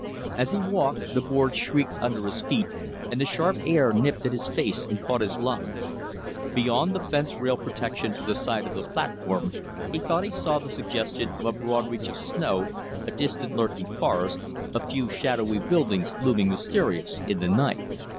As he walked, the boards shrieked under his feet and the sharp air nipped at his face and caught his lungs. Beyond the fence rail protection to the side of the platform he thought he saw the suggestion of a broad reach of snow, a distant lurking forest, a few shadowy buildings looming mysterious in the night.